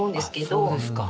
あそうですか。